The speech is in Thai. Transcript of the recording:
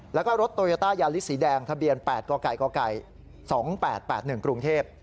แล้วก็รถโตโยต้ายาลิสสีแดงทะเบียน๘กก๒๘๘๑กรุงเทพ